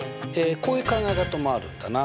こういう考え方もあるんだな。